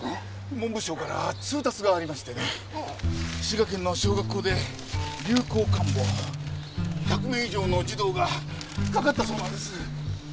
文部省から通達がありましてね滋賀県の小学校で流行感冒１００名以上の児童がかかったそうなんです。